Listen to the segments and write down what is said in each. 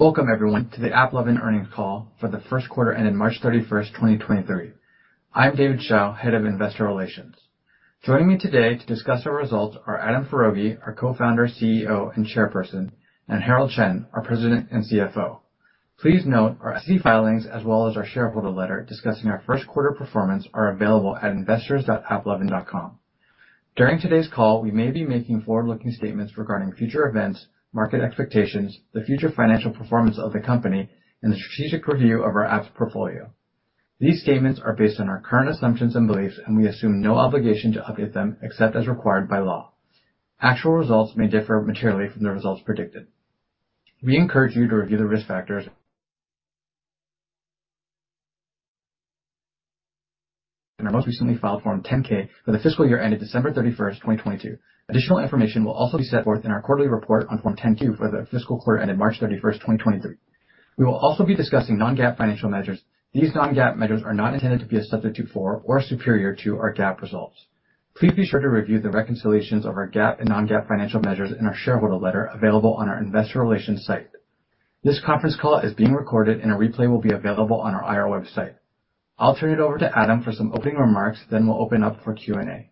Welcome everyone to the AppLovin earnings call for the first quarter ending March thirty-first, twenty twenty-three. I'm David Hsiao, Head of Investor Relations. Joining me today to discuss our results are Adam Foroughi, our Co-founder, CEO, and Chairperson, and Herald Chen, our President and CFO. Please note our SEC filings as well as our shareholder letter discussing our first quarter performance are available at investors.applovin.com. During today's call, we may be making forward-looking statements regarding future events, market expectations, the future financial performance of the company, and the strategic review of our apps portfolio. These statements are based on our current assumptions and beliefs, and we assume no obligation to update them except as required by law. Actual results may differ materially from the results predicted. We encourage you to review the risk factors in our most recently filed Form 10-K for the fiscal year ended December thirty-first, twenty twenty-two. Additional information will also be set forth in our quarterly report on Form 10-Q for the fiscal quarter ended March thirty-first, 2023. We will also be discussing Non-GAAP financial measures. These Non-GAAP measures are not intended to be a substitute for or superior to our GAAP results. Please be sure to review the reconciliations of our GAAP and Non-GAAP financial measures in our shareholder letter available on our investor relations site. This conference call is being recorded and a replay will be available on our IR website. I'll turn it over to Adam for some opening remarks, then we'll open up for Q&A.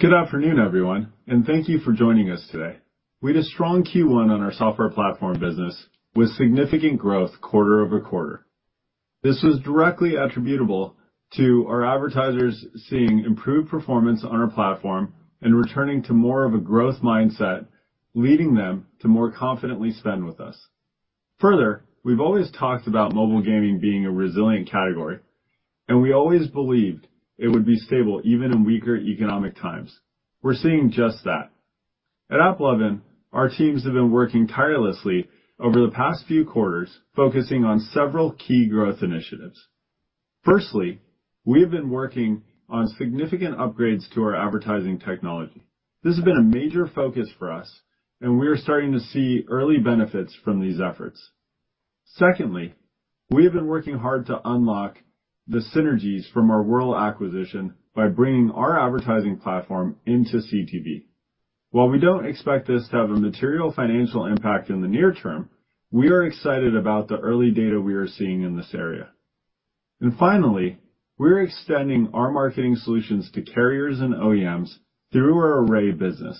Good afternoon, everyone, and thank you for joining us today. We had a strong Q1 on our software platform business with significant growth quarter-over-quarter. This was directly attributable to our advertisers seeing improved performance on our platform and returning to more of a growth mindset, leading them to more confidently spend with us. Further, we've always talked about mobile gaming being a resilient category, and we always believed it would be stable even in weaker economic times. We're seeing just that. At AppLovin, our teams have been working tirelessly over the past few quarters, focusing on several key growth initiatives. Firstly, we have been working on significant upgrades to our advertising technology. This has been a major focus for us, and we are starting to see early benefits from these efforts. Secondly, we have been working hard to unlock the synergies from our Wurl acquisition by bringing our advertising platform into CTV. While we don't expect this to have a material financial impact in the near term, we are excited about the early data we are seeing in this area. Finally, we're extending our marketing solutions to carriers and OEMs through our Array business.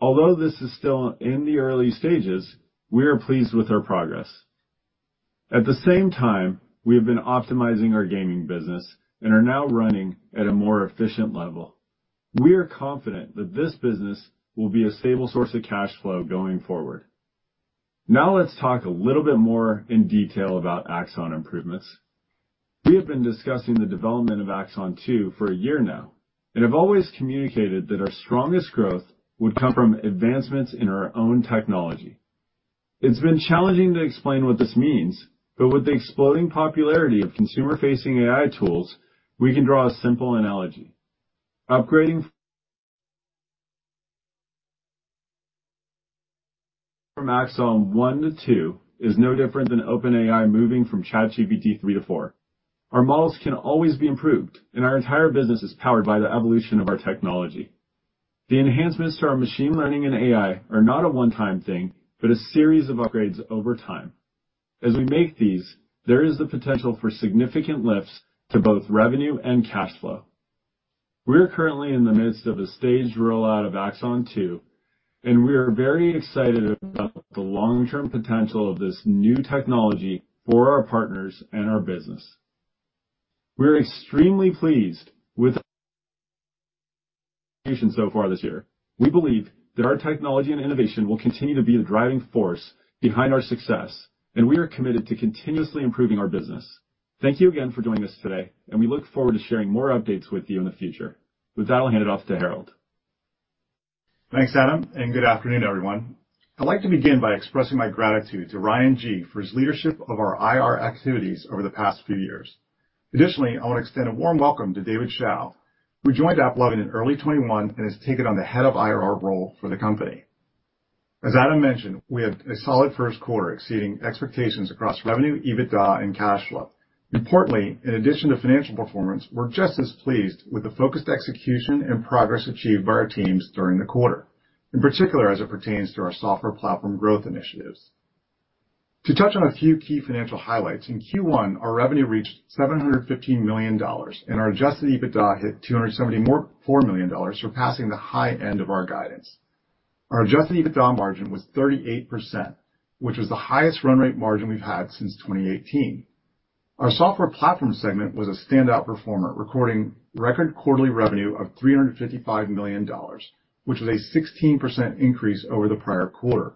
Although this is still in the early stages, we are pleased with our progress. At the same time, we have been optimizing our gaming business and are now running at a more efficient level. We are confident that this business will be a stable source of cash flow going forward. Now, let's talk a little bit more in detail about AXON improvements. We have been discussing the development of AXON 2 for a year now, and have always communicated that our strongest growth would come from advancements in our own technology. It's been challenging to explain what this means, but with the exploding popularity of consumer-facing AI tools, we can draw a simple analogy. Upgrading from AXON 1.0 to 2 is no different than OpenAI moving from ChatGPT 3 to 4. Our models can always be improved, and our entire business is powered by the evolution of our technology. The enhancements to our machine learning and AI are not a one-time thing, but a series of upgrades over time. As we make these, there is the potential for significant lifts to both revenue and cash flow. We are currently in the midst of a staged rollout of AXON 2, and we are very excited about the long-term potential of this new technology for our partners and our business. We are extremely pleased with so far this year. We believe that our technology and innovation will continue to be the driving force behind our success, and we are committed to continuously improving our business. Thank you again for joining us today, and we look forward to sharing more updates with you in the future. With that, I'll hand it off to Herald. Thanks, Adam, and good afternoon, everyone. I'd like to begin by expressing my gratitude to Ryan G. for his leadership of our IR activities over the past few years. Additionally, I want to extend a warm welcome to David Hsiao, who joined AppLovin in early 2021 and has taken on the head of IR role for the company. As Adam mentioned, we had a solid first quarter exceeding expectations across revenue, EBITDA, and cash flow. Importantly, in addition to financial performance, we're just as pleased with the focused execution and progress achieved by our teams during the quarter. In particular, as it pertains to our software platform growth initiatives. To touch on a few key financial highlights, in Q1, our revenue reached $715 million, and our adjusted EBITDA hit $274 million, surpassing the high end of our guidance. Our adjusted EBITDA margin was 38%, which was the highest run rate margin we've had since 2018. Our software platform segment was a standout performer, recording record quarterly revenue of $355 million, which was a 16% increase over the prior quarter.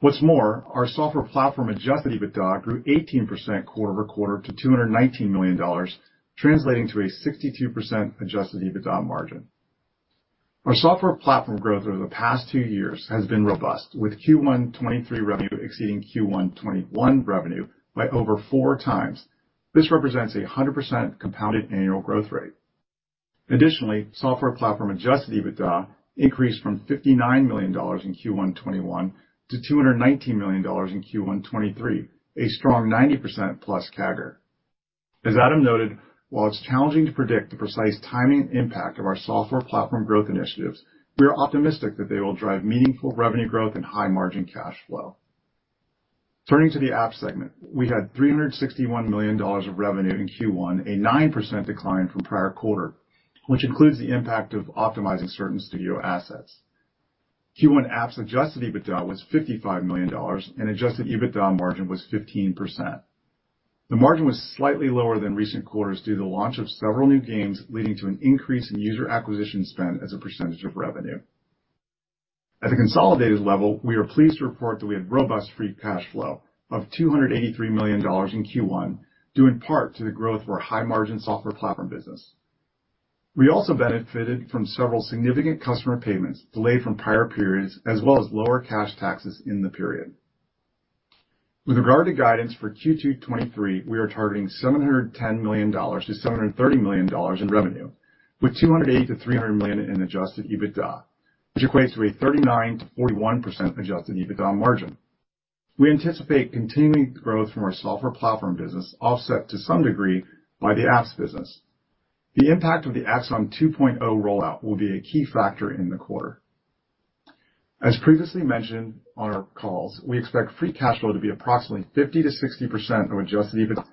Our software platform adjusted EBITDA grew 18% quarter-over-quarter to $219 million, translating to a 62% adjusted EBITDA margin. Our software platform growth over the past 2 years has been robust, with Q1 '23 revenue exceeding Q1 '21 revenue by over 4x. This represents a 100% compounded annual growth rate. Additionally, software platform adjusted EBITDA increased from $59 million in Q1 '21 to $219 million in Q1 '23, a strong 90%+ CAGR. As Adam noted, while it's challenging to predict the precise timing and impact of our software platform growth initiatives, we are optimistic that they will drive meaningful revenue growth and high margin cash flow. Turning to the app segment. We had $361 million of revenue in Q1, a 9% decline from prior quarter, which includes the impact of optimizing certain studio assets. Q1 apps adjusted EBITDA was $55 million, and adjusted EBITDA margin was 15%. The margin was slightly lower than recent quarters due to the launch of several new games, leading to an increase in user acquisition spend as a percentage of revenue. At a consolidated level, we are pleased to report that we have robust free cash flow of $283 million in Q1, due in part to the growth of our high margin software platform business. We also benefited from several significant customer payments delayed from prior periods as well as lower cash taxes in the period. With regard to guidance for Q2 2023, we are targeting $710 million-$730 million in revenue, with $280 million-$300 million in adjusted EBITDA, which equates to a 39%-41% adjusted EBITDA margin. We anticipate continuing growth from our software platform business offset to some degree by the apps business. The impact of the AXON 2.0 rollout will be a key factor in the quarter. As previously mentioned on our calls, we expect free cash flow to be approximately 50%-60% of adjusted EBITDA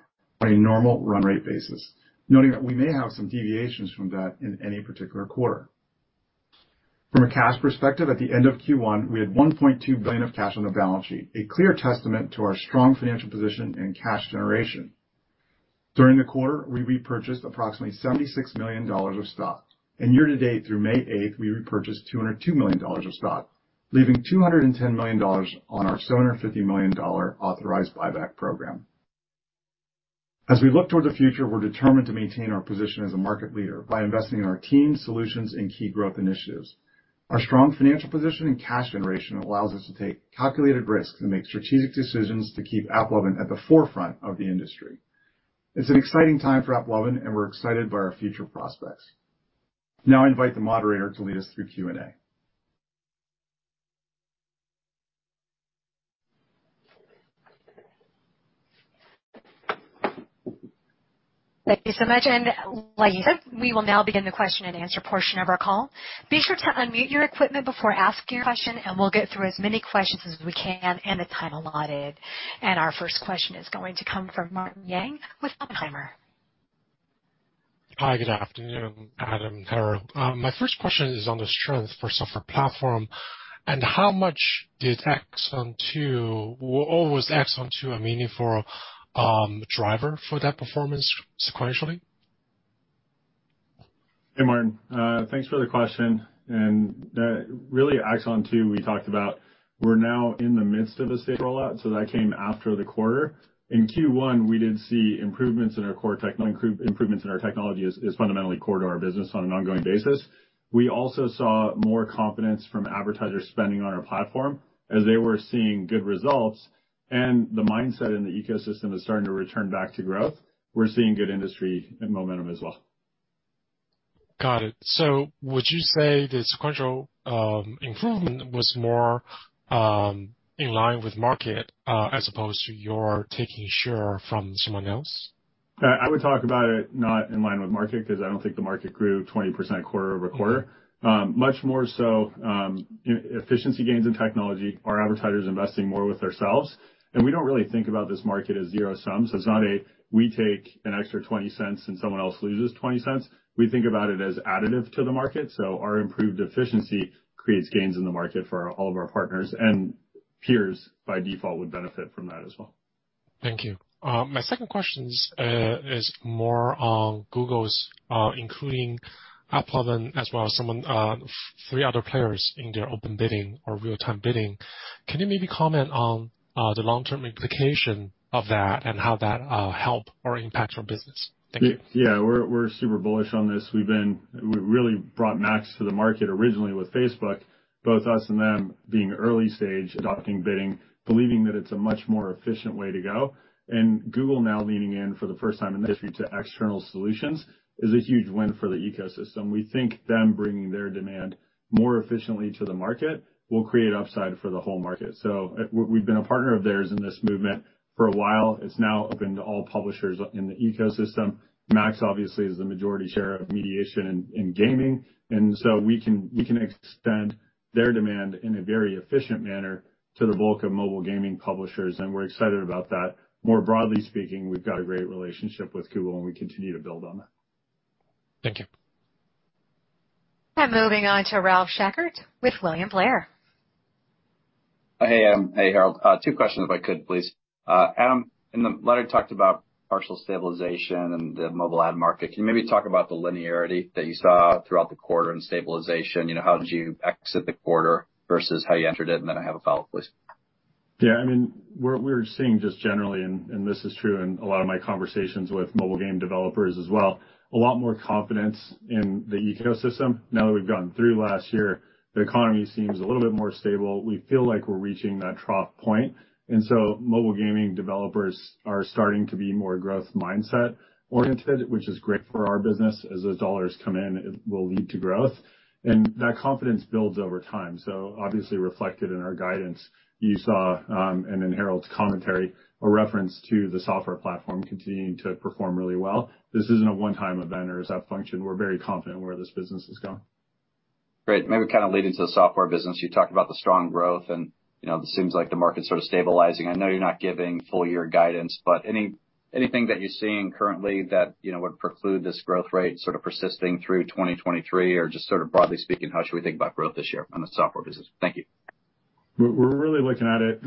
on a normal run rate basis, noting that we may have some deviations from that in any particular quarter. From a cash perspective, at the end of Q1, we had $1.2 billion of cash on the balance sheet, a clear testament to our strong financial position and cash generation. During the quarter, we repurchased approximately $76 million of stock. Year to date through May 8th, we repurchased $202 million of stock, leaving $210 million on our $250 million authorized buyback program. As we look toward the future, we're determined to maintain our position as a market leader by investing in our team, solutions and key growth initiatives. Our strong financial position and cash generation allows us to take calculated risks and make strategic decisions to keep AppLovin at the forefront of the industry. It's an exciting time for AppLovin, and we're excited by our future prospects. Now I invite the moderator to lead us through Q&A. Thank you so much. Like you said, we will now begin the question-and-answer portion of our call. Be sure to unmute your equipment before asking your question and we'll get through as many questions as we can in the time allotted. Our first question is going to come from Martin Yang with Oppenheimer. Hi. Good afternoon, Adam and Herald. My first question is on the strength for software platform and how much did AXON 2 or was AXON 2 a meaningful driver for that performance sequentially? Hey, Martin, thanks for the question. That really AXON 2 we talked about, we're now in the midst of a stage rollout, so that came after the quarter. In Q1, we did see improvements in our technology is fundamentally core to our business on an ongoing basis. We also saw more confidence from advertiser spending on our platform as they were seeing good results, and the mindset in the ecosystem is starting to return back to growth. We're seeing good industry and momentum as well. Got it. Would you say the sequential improvement was more in line with market as opposed to your taking share from someone else? I would talk about it not in line with market, because I don't think the market grew 20% quarter-over-quarter. much more so, efficiency gains in technology, our advertisers investing more with theirselves. We don't really think about this market as zero-sum. It's not a we take an extra $0.20 and someone else loses $0.20. We think about it as additive to the market. Our improved efficiency creates gains in the market for all of our partners, and peers by default, would benefit from that as well. Thank you. My second question is more on Google's, including AppLovin as well as some of, three other players in their open bidding or Real-Time Bidding. Can you maybe comment on the long-term implication of that and how that help or impact your business? Thank you. Yeah, we're super bullish on this. We've been. We really brought MAX to the market originally with Facebook, both us and them being early stage, adopting bidding, believing that it's a much more efficient way to go. Google now leaning in for the first time in the industry to external solutions is a huge win for the ecosystem. We think them bringing their demand more efficiently to the market will create upside for the whole market. We've been a partner of theirs in this movement for a while. It's now open to all publishers in the ecosystem. MAX obviously is the majority share of mediation in gaming, we can extend their demand in a very efficient manner to the bulk of mobile gaming publishers, and we're excited about that. More broadly speaking, we've got a great relationship with Google, and we continue to build on that. Thank you. Moving on to Ralph Schackart with William Blair. Hey, Adam. Hey, Herald. two questions if I could, please. Adam, in the letter you talked about partial stabilization in the mobile ad market. Can you maybe talk about the linearity that you saw throughout the quarter and stabilization? You know, how did you exit the quarter versus how you entered it? I have a follow-up, please. Yeah, I mean, we're seeing just generally, and this is true in a lot of my conversations with mobile game developers as well, a lot more confidence in the ecosystem now that we've gotten through last year. The economy seems a little bit more stable. We feel like we're reaching that trough point. Mobile gaming developers are starting to be more growth mindset oriented, which is great for our business. As those dollars come in, it will lead to growth. That confidence builds over time, so obviously reflected in our guidance. You saw, and in Herald's commentary, a reference to the software platform continuing to perform really well. This isn't a one-time event or a zap function. We're very confident where this business is going. Great. Maybe kind of leading to the software business. You talked about the strong growth, and, you know, it seems like the market's sort of stabilizing. I know you're not giving full year guidance, but anything that you're seeing currently that, you know, would preclude this growth rate sort of persisting through 2023? Just sort of broadly speaking, how should we think about growth this year on the software business? Thank you. We're really looking at it,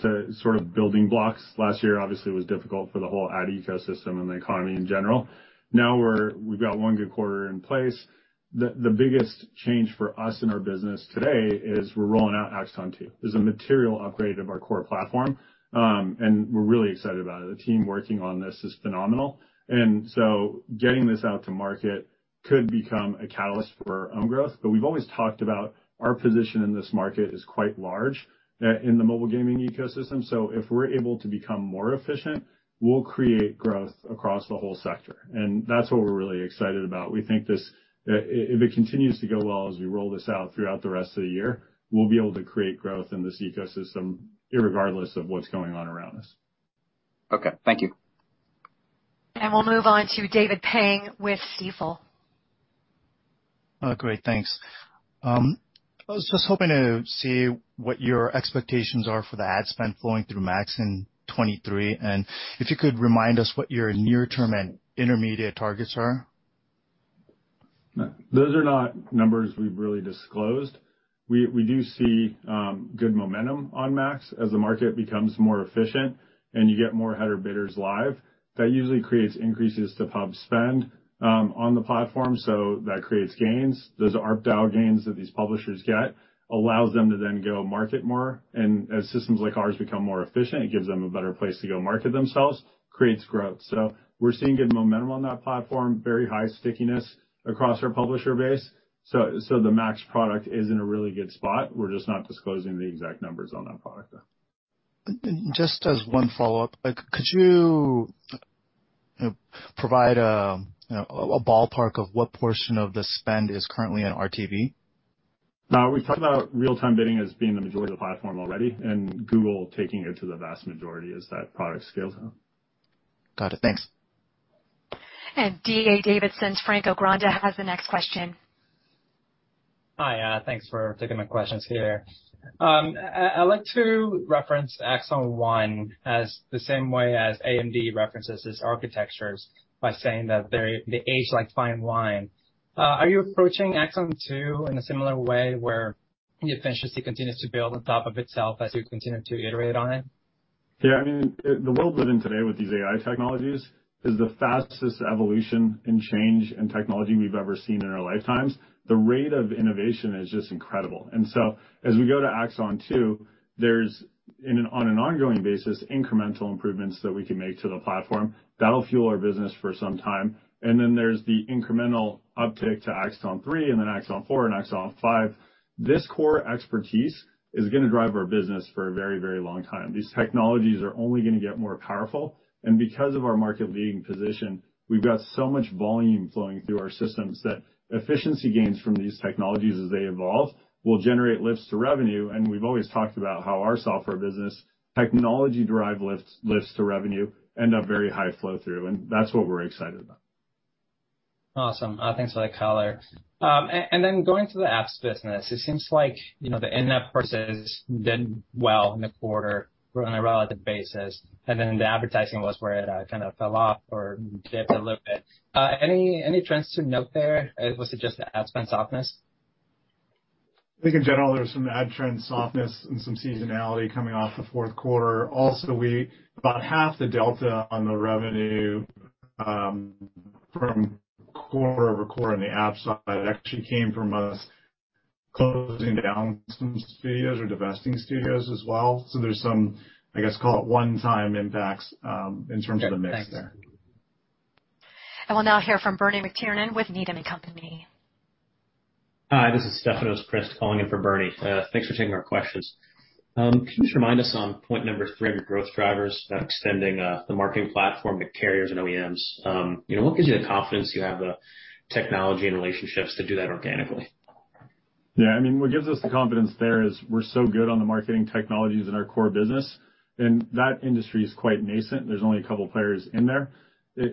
the sort of building blocks. Last year, obviously, was difficult for the whole ad ecosystem and the economy in general. Now we've got one good quarter in place. The biggest change for us in our business today is we're rolling out AXON 2. This is a material upgrade of our core platform, and we're really excited about it. The team working on this is phenomenal. Getting this out to market could become a catalyst for our own growth. We've always talked about our position in this market is quite large, in the mobile gaming ecosystem. If we're able to become more efficient, we'll create growth across the whole sector. That's what we're really excited about. We think this, if it continues to go well as we roll this out throughout the rest of the year, we'll be able to create growth in this ecosystem irregardless of what's going on around us. Okay. Thank you. We'll move on to David Pang with Stifel. Great. Thanks. I was just hoping to see what your expectations are for the ad spend flowing through MAX in 23. If you could remind us what your near-term and intermediate targets are. Those are not numbers we've really disclosed. We do see good momentum on MAX as the market becomes more efficient and you get more header bidders live. That usually creates increases to pub spend on the platform, that creates gains. Those ARPDAU gains that these publishers get allows them to then go market more. As systems like ours become more efficient, it gives them a better place to go market themselves, creates growth. We're seeing good momentum on that platform, very high stickiness across our publisher base. The MAX product is in a really good spot. We're just not disclosing the exact numbers on that product though. Just as one follow-up, like could you provide a ballpark of what portion of the spend is currently on RTB? No. We've talked about real-time bidding as being the majority of the platform already, and Google taking it to the vast majority as that product scales. Got it. Thanks. D.A. Davidson's Franco Granda has the next question. Hi. Thanks for taking my questions here. I like to reference AXON One as the same way as AMD references its architectures by saying that they age like fine wine. Are you approaching AXON Two in a similar way, where the efficiency continues to build on top of itself as you continue to iterate on it? Yeah. I mean, the world we live in today with these AI technologies is the fastest evolution in change in technology we've ever seen in our lifetimes. The rate of innovation is just incredible. As we go to AXON Two, there's, on an ongoing basis, incremental improvements that we can make to the platform. That'll fuel our business for some time. Then there's the incremental uptick to ChatGPT 3 and then ChatGPT 4 and ChatGPT 5. This core expertise is gonna drive our business for a very, very long time. These technologies are only gonna get more powerful. Because of our market leading position, we've got so much volume flowing through our systems that efficiency gains from these technologies as they evolve will generate lifts to revenue. We've always talked about how our software business technology-derived lift lifts to revenue end up very high flow through, and that's what we're excited about. Awesome. Thanks for that color. Then going to the apps business, it seems like, you know, the in-app purchases did well in the quarter on a relative basis, then the advertising was where it kind of fell off or dipped a little bit. Any trends to note there? Was it just the ad spend softness? I think in general, there was some ad trend softness and some seasonality coming off the fourth quarter. We about half the delta on the revenue from quarter-over-quarter on the app side actually came from us closing down some studios or divesting studios as well. There's some, I guess, call it one-time impacts in terms of the mix there. Okay. Thanks. We'll now hear from Bernie McTernan with Needham & Company. Hi, this is Stefanos Crist calling in for Bernie. Thanks for taking our questions. Can you just remind us on point number 3 of your growth drivers about extending, the marketing platform to carriers and OEMs? You know, what gives you the confidence you have the technology and relationships to do that organically? Yeah. I mean, what gives us the confidence there is we're so good on the marketing technologies in our core business, and that industry is quite nascent. There's only a couple of players in there.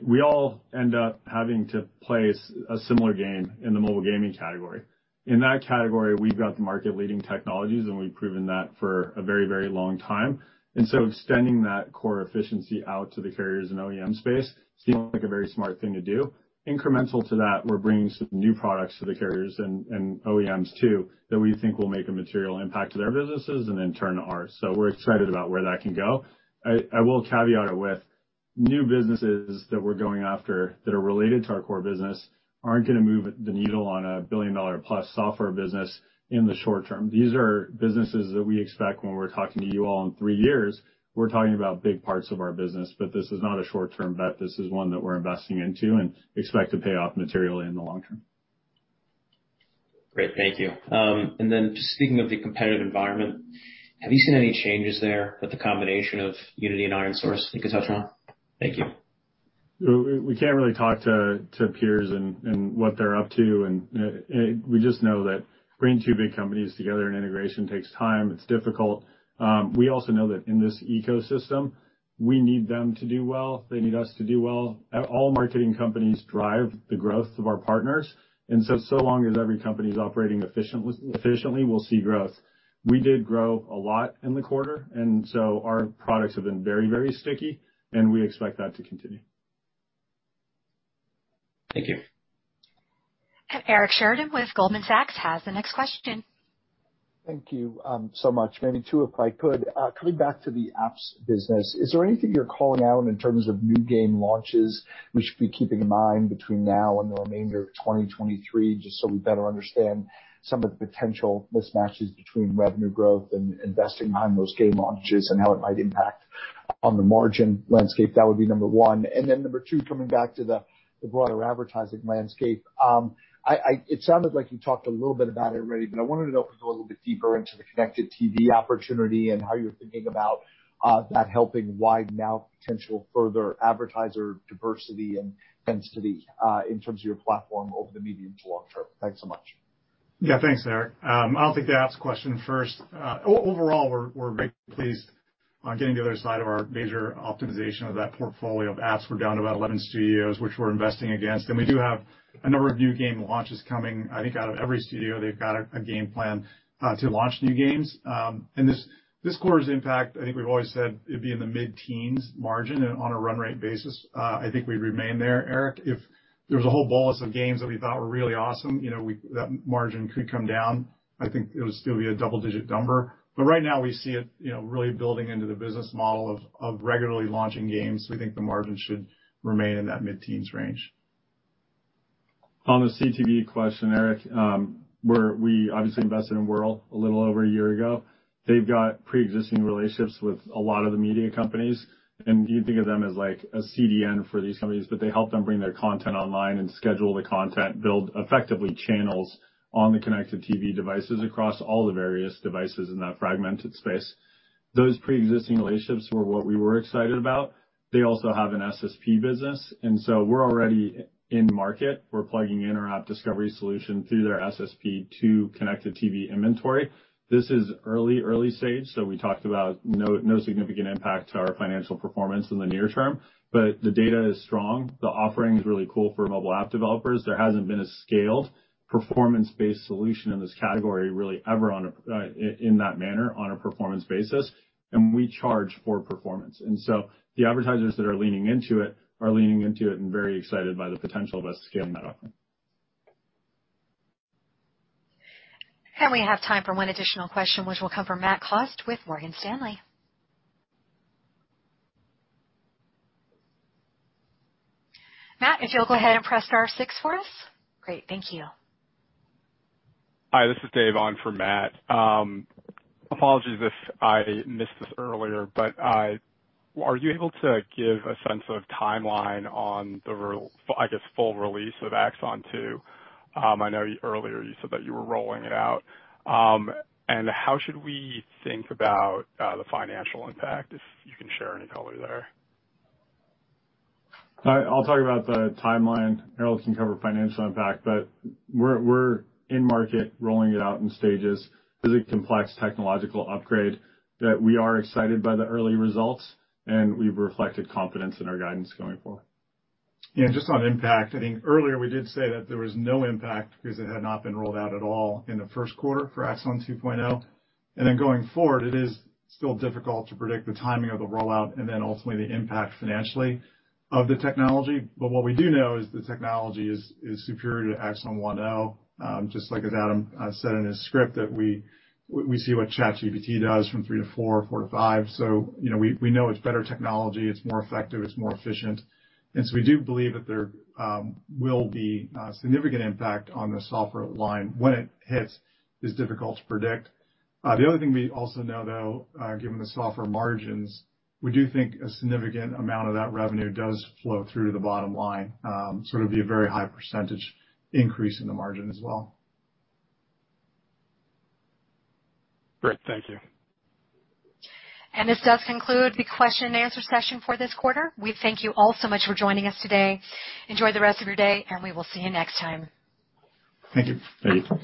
We all end up having to play a similar game in the mobile gaming category. In that category, we've got the market-leading technologies, and we've proven that for a very, very long time. Extending that core efficiency out to the carriers and OEM space seems like a very smart thing to do. Incremental to that, we're bringing some new products to the carriers and OEMs too, that we think will make a material impact to their businesses and in turn, ours. We're excited about where that can go. I will caveat it with new businesses that we're going after that are related to our core business aren't gonna move the needle on a billion-dollar-plus software business in the short term. These are businesses that we expect when we're talking to you all in three years, we're talking about big parts of our business. This is not a short-term bet. This is one that we're investing into and expect to pay off materially in the long term. Great. Thank you. Just speaking of the competitive environment, have you seen any changes there with the combination of Unity and ironSource, I think is how it's run? Thank you. We can't really talk to peers and what they're up to, and we just know that bringing two big companies together in integration takes time. It's difficult. We also know that in this ecosystem, we need them to do well. They need us to do well. At all marketing companies drive the growth of our partners. So long as every company is operating efficiently, we'll see growth. We did grow a lot in the quarter, and so our products have been very, very sticky, and we expect that to continue. Thank you. Eric Sheridan with Goldman Sachs has the next question. Thank you, so much. Maybe two, if I could. Coming back to the apps business, is there anything you're calling out in terms of new game launches we should be keeping in mind between now and the remainder of 2023, just so we better understand some of the potential mismatches between revenue growth and investing behind those game launches and how it might impact on the margin landscape? That would be number one. Number two, coming back to the broader advertising landscape. It sounded like you talked a little bit about it already, but I wanted to go a little bit deeper into the connected TV opportunity and how you're thinking about that helping widen out potential further advertiser diversity and density in terms of your platform over the medium to long term. Thanks so much. Thanks, Eric. I'll take the apps question first. Overall, we're very pleased on getting the other side of our major optimization of that portfolio of apps. We're down to about 11 studios, which we're investing against. We do have a number of new game launches coming. I think out of every studio, they've got a game plan to launch new games. This quarter's impact, I think we've always said it'd be in the mid-teens margin and on a run rate basis. I think we remain there, Eric. If there was a whole bolus of games that we thought were really awesome, you know, that margin could come down. I think it would still be a double-digit number. Right now we see it, you know, really building into the business model of regularly launching games. We think the margin should remain in that mid-teens range. On the CTV question, Eric, we obviously invested in Wurl a little over a year ago. They've got pre-existing relationships with a lot of the media companies, and you think of them as like a CDN for these companies, but they help them bring their content online and schedule the content, build effectively channels on the connected TV devices across all the various devices in that fragmented space. Those pre-existing relationships were what we were excited about. They also have an SSP business, and so we're already in market. We're plugging in our app discovery solution through their SSP to connected TV inventory. This is early stage, so we talked about no significant impact to our financial performance in the near term. The data is strong. The offering is really cool for mobile app developers. There hasn't been a scaled performance-based solution in this category really ever in that manner on a performance basis. We charge for performance. The advertisers that are leaning into it are leaning into it and very excited by the potential of us scaling that offering. We have time for one additional question, which will come from Matthew Cost with Morgan Stanley. Matt, if you'll go ahead and press star six for us. Great. Thank you. Hi, this is Dave on for Matt. Apologies if I missed this earlier. Are you able to give a sense of timeline on the full release of AXON 2? I know earlier you said that you were rolling it out. How should we think about the financial impact, if you can share any color there? I'll talk about the timeline. Herald can cover financial impact, but we're in market rolling it out in stages. This is a complex technological upgrade that we are excited by the early results, and we've reflected confidence in our guidance going forward. Yeah, just on impact, I think earlier we did say that there was no impact because it had not been rolled out at all in the first quarter for AXON 2.0. Going forward, it is still difficult to predict the timing of the rollout and then ultimately the impact financially of the technology. What we do know is the technology is superior to AXON 1.0. Just like as Adam said in his script, that we see what ChatGPT does from 3 to 4 or 4 to 5. You know, we know it's better technology, it's more effective, it's more efficient. We do believe that there will be significant impact on the software line. When it hits is difficult to predict. The other thing we also know, though, given the software margins, we do think a significant amount of that revenue does flow through to the bottom line. Sort of be a very high percentage increase in the margin as well. Great. Thank you. This does conclude the question and answer session for this quarter. We thank you all so much for joining us today. Enjoy the rest of your day, and we will see you next time. Thank you. Thank you.